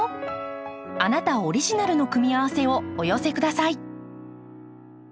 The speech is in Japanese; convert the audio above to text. あなたオリジナルの組み合わせをお寄せください。